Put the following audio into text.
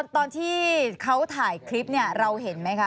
ตอนที่เขาถ่ายคลิปเราเห็นไหมคะ